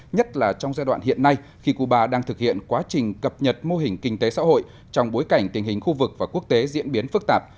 nhất là trong giai đoạn hiện nay khi cuba đang thực hiện quá trình cập nhật mô hình kinh tế xã hội trong bối cảnh tình hình khu vực và quốc tế diễn biến phức tạp